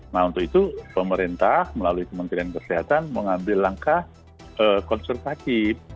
nah untuk itu pemerintah melalui kementerian kesehatan mengambil langkah konservatif